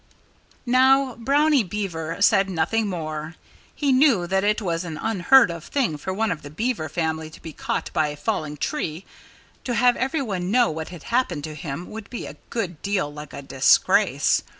Now, Brownie Beaver said nothing more. He knew that it was an unheard of thing for one of the Beaver family to be caught by a falling tree. To have everyone know what had happened to him would be a good deal like a disgrace.